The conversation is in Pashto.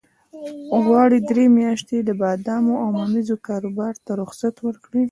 غواړي درې میاشتې د بادامو او ممیزو کاروبار ته رخصت ورکړي.